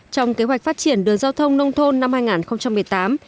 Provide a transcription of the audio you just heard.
trong kế hoạch phát triển đường giao thông nông thôn năm hai nghìn một mươi tám